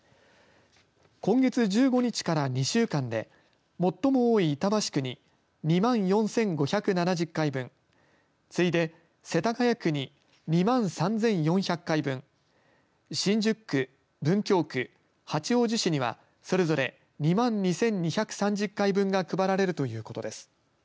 今月１５日から２週間で最も多い板橋区に２万４５７０回分次いで世田谷区に２万３４００回分新宿区、文京区、八王子市にはそれぞれ２万２２３０回分が配られるということです。